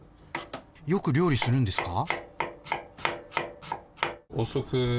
よく料理するんですか？